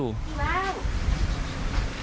อยู่แล้ว